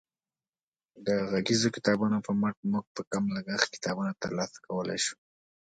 د غږیزو کتابونو په مټ موږ په کم لګښت کتابونه ترلاسه کولی شو.